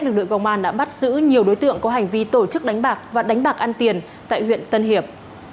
lực lượng công an đã bắt giữ nhiều đối tượng có hành vi tổ chức đánh bạc và đánh bạc ăn tiền tại huyện tân hiệp